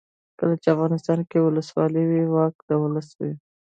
کله چې افغانستان کې ولسواکي وي واک د ولس وي.